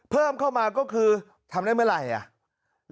เพิ่มเข้ามาก็คือทำได้เมื่อไหร่อ่ะ